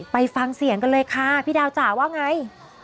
ไปฟังเสียงกันเลยค่ะพี่ดาวจ๋าว่าไง